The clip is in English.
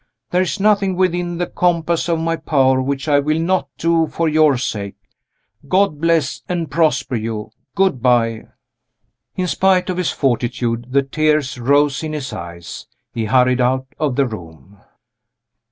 There is nothing within the compass of my power which I will not do for your sake. God bless and prosper you! Good by!" In spite of his fortitude, the tears rose in his eyes. He hurried out of the room.